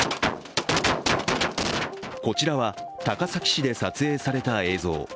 こちらは、高崎市で撮影された映像。